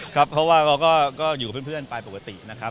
ครับเพราะว่าเขาก็อยู่กับเพื่อนไปปกตินะครับ